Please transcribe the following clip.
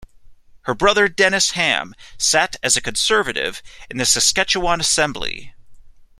Her brother Dennis Ham sat as a Conservative in the Saskatchewan assembly.